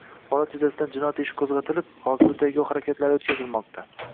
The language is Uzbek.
Holat yuzasidan jinoyat ishi qo‘zg‘atilib, hozirda tergov harakatlari o‘tkazilmoqda